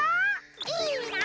いいな！